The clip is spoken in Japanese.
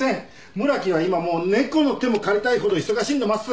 村木は今もう猫の手も借りたいほど忙しいんでおます。